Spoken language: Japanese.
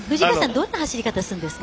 どんな走り方するんですか？